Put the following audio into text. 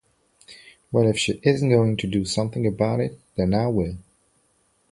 Well, if she isn't going to do something about it, then I will.